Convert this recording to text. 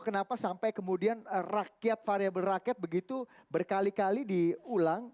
kenapa sampai kemudian rakyat variable rakyat begitu berkali kali diulang